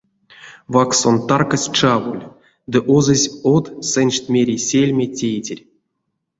Вакссон таркась чаволь, ды озась од, сэньшть мерий сельме тейтерь.